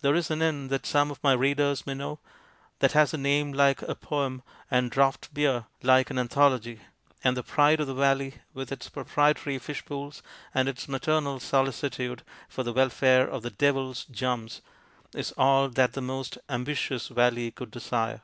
There is an inn that some of my readers may know that has a name like a poem and draught beer like an anthology, and the " Pride of the Valley," with its proprietary fish pools and its maternal solicitude for the welfare of the " Devil's Jumps," is all that the most ambitious valley could desire.